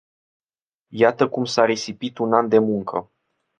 Iată cum s-a risipit un an de muncă.